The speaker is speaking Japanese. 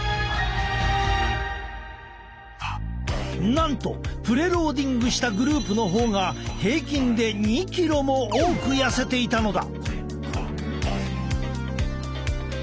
なんとプレ・ローディングしたグループの方が平均で２キロも多く痩せていたのだ。